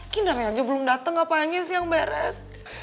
kinar aja belum dateng apaannya sih yang beres